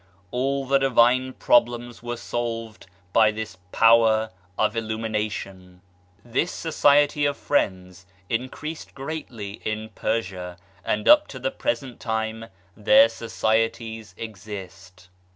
All the Divine problems were solved by this power of illumination. This Society of Friends increased greatly in Persia, and up to the present time their societies exist.